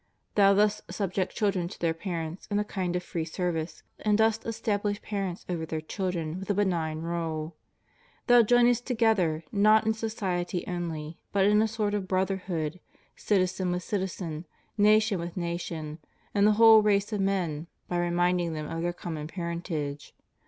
Thou dost subject chil dren to their parents in a kind of free service, and dost establish parents over their children with a benign rule. ... Thou joinest together, not in society only, but in a sort of brotherhood, citizen with citizen, nation with nation, and the whole race of men, by reminding them of their common parentage.